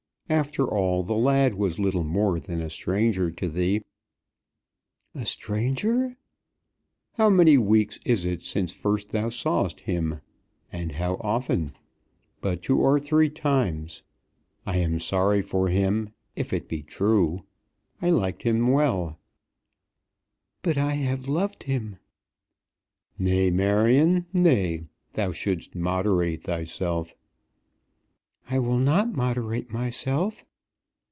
After all, the lad was little more than a stranger to thee." "A stranger?" "How many weeks is it since first thou saw'st him? And how often? But two or three times. I am sorry for him; if it be true; if it be true! I liked him well." "But I have loved him." "Nay, Marion, nay; thou shouldst moderate thyself." "I will not moderate myself."